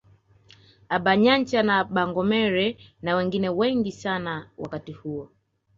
Abanyancha na abangoreme na wengine wengi sana wakati huo